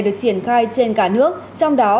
được triển khai trên cả nước trong đó